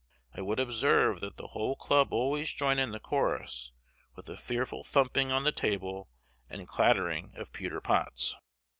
I would observe that the whole club always join in the chorus with a fearful thumping on the table and clattering of pewter pots.